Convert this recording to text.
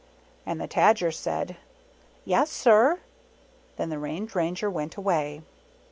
And the Tajer said, "Yes, sir." Then the Range Ranger went away.